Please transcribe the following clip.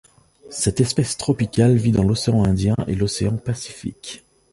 Cette espèce tropicale vit dans l’océan Indien et l’océan Pacifique.